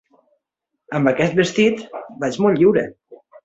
Amb aquest vestit vaig molt lliure.